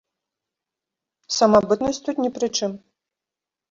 Самабытнасць тут не пры чым.